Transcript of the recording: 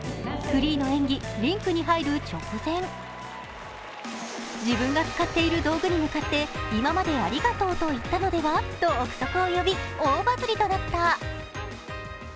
フリーの演技、リンクに入る直前、自分が使っている道具に向かって、今までありがとうと言ったのでは？と大バズリとなった。